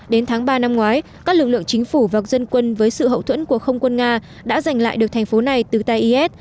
đến tháng ba năm ngoái các lực lượng chính phủ và dân quân với sự hậu thuẫn của không quân nga đã giành lại được thành phố này từ tay is